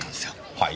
はい？